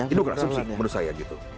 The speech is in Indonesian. ini bukan asumsi menurut saya